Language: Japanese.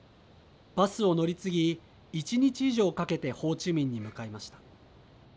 バスを乗り継ぎ１日以上かけてホーチミンに向かいました。